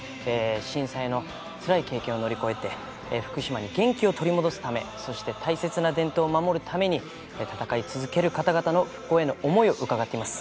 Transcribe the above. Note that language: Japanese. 震災のつらい経験を乗り越えて、福島に元気を取り戻すため、そして、大切な伝統を守るために、戦い続ける方々の復興への思いを伺っています。